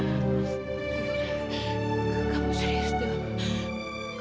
kamu serius dok